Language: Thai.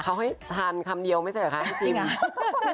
เขาให้ทานคำเดียวไม่ใช่เหรอคะพี่ชิม